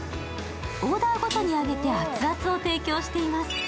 オーダーごとに揚げて熱々を提供しています。